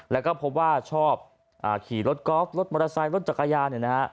และก็พบว่าชอบขี่รถก๊อครถมอเตอร์ไซค์รถจักรยาน